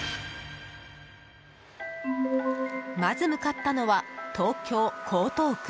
まず向かったのは東京・江東区。